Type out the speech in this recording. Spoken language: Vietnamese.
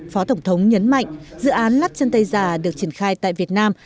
phó tổng thống nhấn mạnh dự án lắp chân tay giả được triển khai tại việt nam